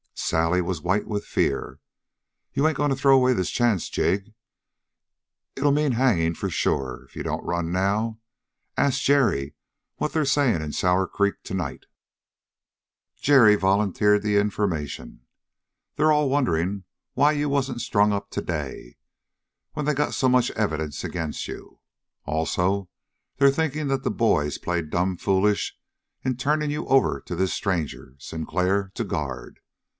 Sally was white with fear. "You ain't going to throw away this chance, Jig? It'll mean hanging sure, if you don't run now. Ask Jerry what they're saying in Sour Creek tonight?" Jerry volunteered the information. "They're all wondering why you wasn't strung up today, when they got so much evidence agin' you. Also they're thinking that the boys played plumb foolish in turning you over to this stranger, Sinclair, to guard.